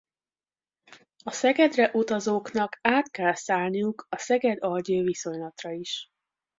A Szegedre utazóknak át kell szállniuk a Szeged-Algyő viszonylatra is.